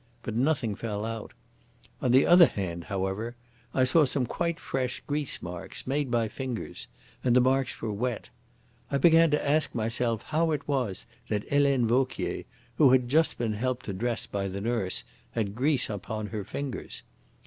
But nothing fell out. On the other hand, however, I saw some quite fresh grease marks, made by fingers, and the marks were wet. I began to ask myself how it was that Helene Vauquier, who had just been helped to dress by the nurse, had grease upon her fingers.